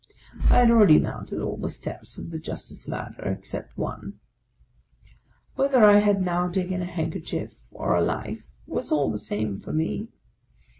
I had already mounted all the steps of the justice ladder, ex cept one. Whether I had now taken a handkerchief or a life was all the same for me.